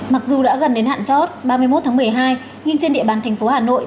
mặc dù đã gần đến hạn chót ba mươi một tháng một mươi hai nhưng trên địa bàn thành phố hà nội